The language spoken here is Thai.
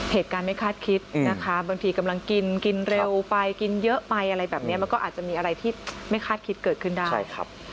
เหตุการณ์ไม่คาดคิดนะคะบางทีกำลังกินกินเร็วไปกินเยอะไปอะไรแบบนี้มันก็อาจจะมีอะไรที่ไม่คาดคิดเกิดขึ้นได้ใช่ครับ